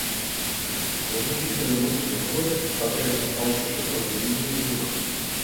La música de Montenegro va perdre força sota el domini otomà.